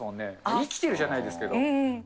生きてるじゃないですけど。